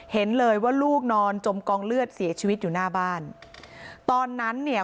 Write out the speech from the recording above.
เห็นเลยว่าลูกนอนจมกองเลือดเสียชีวิตอยู่หน้าบ้านตอนนั้นเนี่ย